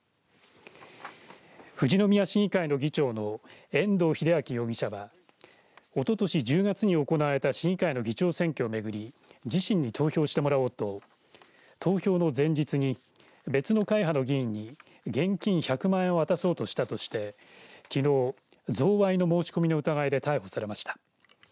富士宮市議会の議長の遠藤英明容疑者はおととし１０月に行われた市議会の議長選挙をめぐり自身に投票してもらおうと投票の前日に別の会派の議員に現金１００万円を渡そうとしたとしてきのう、贈賄の申し込みの疑いで逮捕されました。